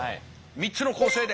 ３つの構成で。